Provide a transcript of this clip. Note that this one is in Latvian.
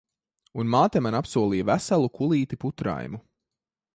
Un māte man apsolīja veselu kulīti putraimu.